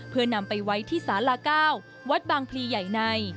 เพื่อนำไปไว้ที่สารา๙วัดบางพลีใหญ่ใน